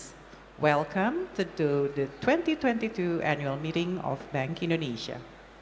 selamat datang di acara pertemuan tahunan bank indonesia dua ribu dua puluh dua